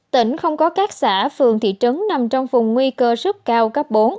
tỉnh không có các xã phường thị trấn nằm trong vùng nguy cơ sức cao cấp bốn